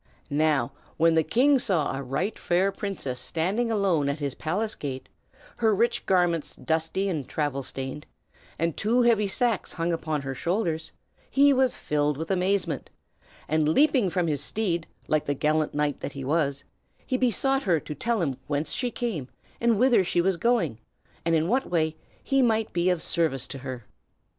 Now when the king saw a right fair princess standing alone at his palace gate, her rich garments dusty and travel stained, and two heavy sacks hung upon her shoulders, he was filled with amazement; and leaping from his steed, like the gallant knight that he was, he besought her to tell him whence she came and whither she was going, and in what way he might be of service to her.